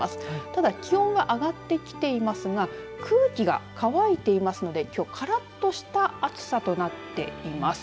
ただ気温は上がってきていますが空気が乾いていますのできょう、からっとした暑さとなっています。